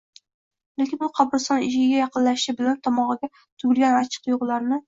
Lekin u qabriston eshigiga yaqinlashishi bilan tomog'iga tugilgan achchiq tuyg'ularni